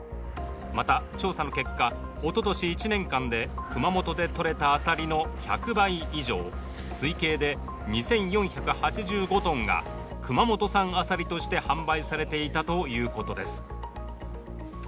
また、調査の結果、おととし１年間で熊本でとれたあさりの１００倍以上推計で２４８５ｔが熊本産あさりとして販売されていたということです。